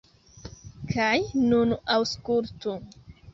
Kaj nun aŭskultu!